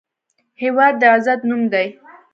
هېواد د عزت نوم دی.